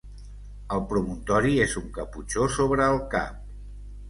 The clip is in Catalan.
El promontori és un caputxó sobre el cap.